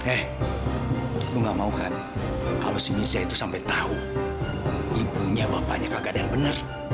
eh aku gak mau kan kalau si misi itu sampai tahu ibunya bapaknya kagak ada yang benar